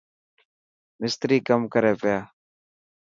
مستري ڪم ڪري پيا.